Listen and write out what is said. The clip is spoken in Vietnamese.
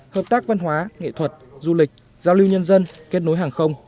hợp tác văn hóa nghệ thuật du lịch giao lưu nhân dân kết nối hàng không